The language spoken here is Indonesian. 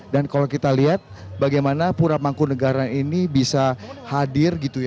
dan kalau kita lihat bagaimana puramangkunegara ini bisa hadir gitu